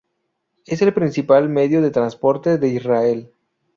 Es el principal medio de transporte de Israel.